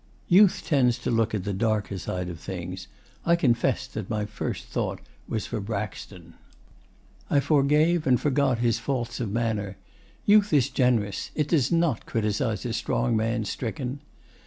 Youth tends to look at the darker side of things. I confess that my first thought was for Braxton. I forgave and forgot his faults of manner. Youth is generous. It does not criticise a strong man stricken.